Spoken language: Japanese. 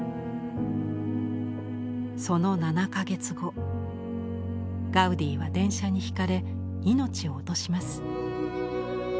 その７か月後ガウディは電車にひかれ命を落とします。